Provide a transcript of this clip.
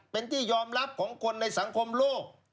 เป็นที่ยอมรับของคนในสังคมโลก